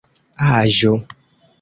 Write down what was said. aĵo